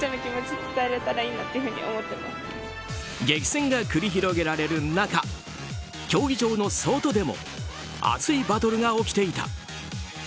激戦が繰り広げられる中競技場の外でも熱いバトルが起きていた。